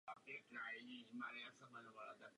Vše při úplňku.